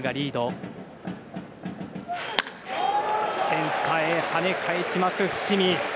センターへはね返した、伏見。